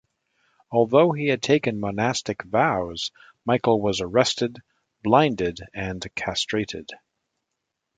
Although he had taken monastic vows, Michael was arrested, blinded, and castrated.